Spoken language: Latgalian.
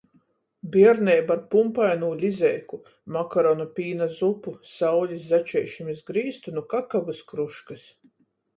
Bierneiba ar pumpainū lizeiku, makaronu pīna zupu, saulis začeišim iz grīstu nu kakavys kružkys.